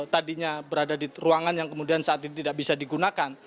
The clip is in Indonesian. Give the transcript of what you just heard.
tadinya berada di ruangan yang kemudian saat ini tidak bisa digunakan